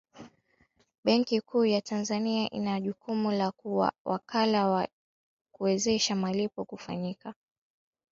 benki kuu ya tanzania ina jukumu la kuwa wakala wa kuwezesha malipo kufanyika